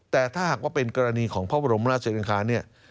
แต่ถ้าหากเป็นกรณีของพระบรมราชเศรษฐการณ์เนี่ย